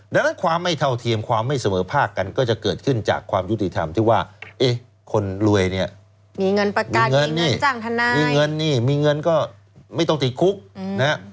ดังนั้นความไม่เท่าเทียมความไม่เสมอภาคกันก็จะเกิดขึ้นจากความยุติธรรมที่ว่าเอ๊ะคนรวยเนี่ยมีเงินประกันเงินนี่มีเงินนี่มีเงินก็ไม่ต้องติดคุกนะฮะ